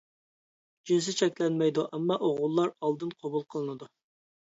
جىنسى چەكلەنمەيدۇ، ئەمما ئوغۇللار ئالدىن قوبۇل قىلىنىدۇ.